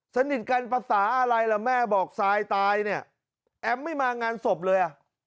สนิทกันภาษาอะไรล่ะแม่บอกซายตายเนี่ยแอมไม่มางานศพเลยอ่ะ